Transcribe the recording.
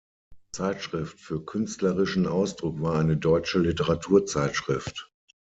Zeitschrift für künstlerischen Ausdruck war eine deutsche Literaturzeitschrift.